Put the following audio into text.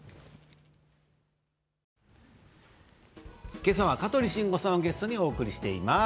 けさは香取慎吾さんをゲストにお送りしています。